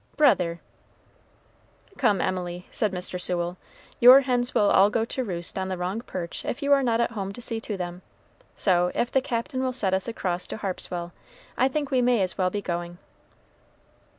"Brother!" "Come, Emily," said Mr. Sewell, "your hens will all go to roost on the wrong perch if you are not at home to see to them; so, if the Captain will set us across to Harpswell, I think we may as well be going."